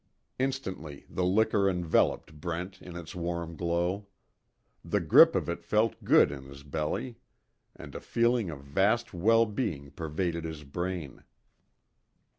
Instantly the liquor enveloped Brent in its warm glow. The grip of it felt good in his belly, and a feeling of vast well being pervaded his brain.